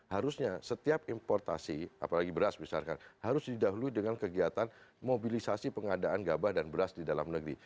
harusnya setiap importasi apalagi beras misalkan harus didahului dengan kegiatan mobilisasi pengadaan gabah dan beras di dalam negeri